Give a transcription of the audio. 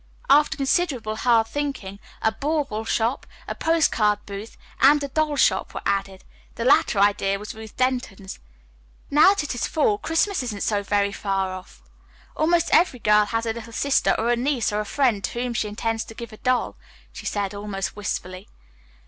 After considerable hard thinking, a "bauble shop," a postcard booth, and a doll shop were added. The latter idea was Ruth Denton's. "Now that it is fall, Christmas isn't so very far off. Almost every girl has a little sister or a niece or a friend to whom she intends to give a doll," she said almost wistfully.